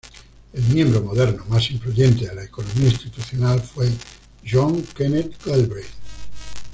El miembro moderno más influyente de la economía institucional fue John Kenneth Galbraith.